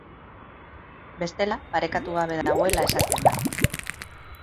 Bestela parekatu gabe dagoela esaten da.